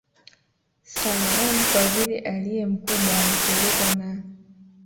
Salaam Kwa vile aliye mkubwa alipelekwa na